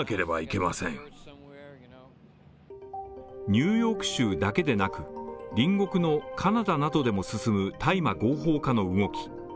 ニューヨーク州だけでなく、隣国のカナダなどでも進む大麻合法化の動き